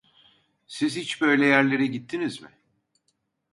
Siz hiç böyle yerlere gittiniz mi?